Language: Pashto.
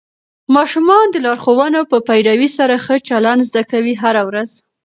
ماشومان د لارښوونو په پیروي سره ښه چلند زده کوي هره ورځ.